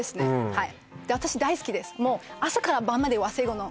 はい